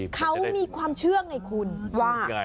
เขามีความเชื่อไงคุณว่า